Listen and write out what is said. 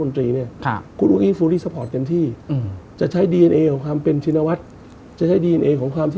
ไม่ใช่ครับไม่ใช่ครับเป็นกลยุทธ์อย่างหนึ่งแน่นอนครับ